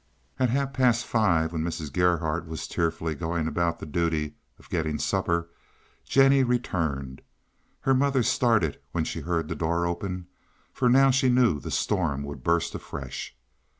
At half past five, when Mrs. Gerhardt was tearfully going about the duty of getting supper, Jennie returned. Her mother started when she heard the door open, for now she knew the storm would burst afresh.